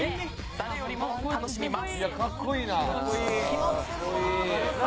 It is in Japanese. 誰よりも楽しみます。